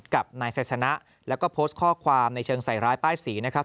กับนายไซสนะแล้วก็โพสต์ข้อความในเชิงใส่ร้ายป้ายสีนะครับ